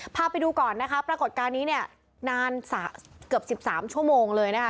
พาไปดูก่อนนะคะปรากฏการณ์นี้เนี่ยนานเกือบ๑๓ชั่วโมงเลยนะคะ